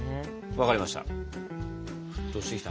分かりました。